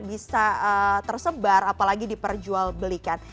bisa tersebar apalagi diperjualbelikan